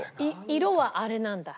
色はあれなんだ。